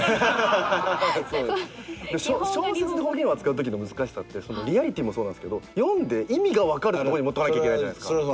小説で方言を扱うときの難しさってリアリティーもそうなんすけど読んで意味が分かるところに持ってこなきゃいけないじゃないですか。